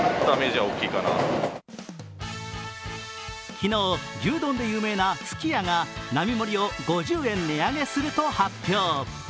昨日、牛丼で有名なすき家が並盛を５０円値上げすると発表。